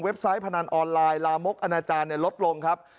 เว็บไซต์พนันออนไลน์ลามกอจลบลงครับ